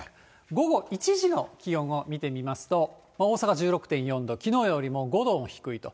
午後１時の気温を見てみますと、大阪１６．４度、きのうよりも５度も低いと。